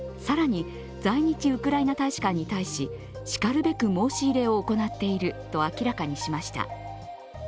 更に、在日ウクライナ大使館に対ししかるべく申し入れを行っていると明らかにしました。